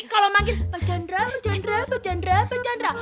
kalau manggil pak chandra pak chandra pak chandra pak chandra